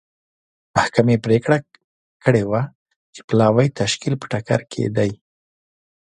محکمې پرېکړه کړې وه چې پلاوي تشکیل په ټکر کې دی.